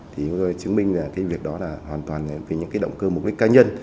chúng tôi chứng minh việc đó là hoàn toàn vì những động cơ mục đích ca nhân